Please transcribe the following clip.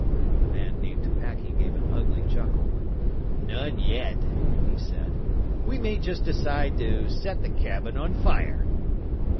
The man named Packy gave an ugly chuckle. "None yet," he said. "We may just decide to set the cabin on fire."